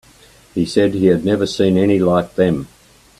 He said he had never seen any like them.